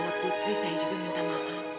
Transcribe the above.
bu mira atas nama putri saya juga minta maaf